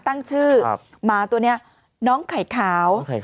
ต้างที่มาตัวเนี้ยน้องไข่ขาว